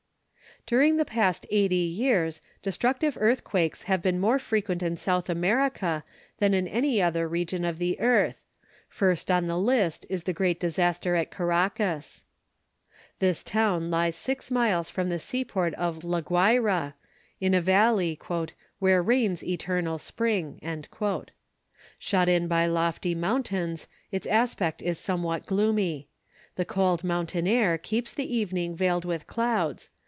During the past eighty years destructive earthquakes have been more frequent in South America than in any other region of the earth. First on the list is the great disaster at Caracas. This town lies six miles from the seaport of La Guayra, in a valley "where reigns eternal spring." Shut in by lofty mountains, its aspect is somewhat gloomy. The cold mountain air keeps the evening veiled with clouds.